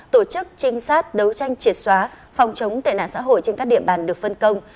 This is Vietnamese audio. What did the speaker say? tổ chức trinh sát đấu tranh triệt xóa phòng chống tệ nạn xã hội trên các địa bàn được phân công